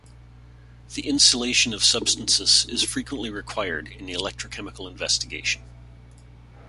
The insulation of substances is frequently required in electro-chemical investigation.